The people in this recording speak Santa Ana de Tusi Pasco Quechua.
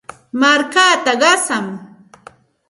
Markaata qasanmi.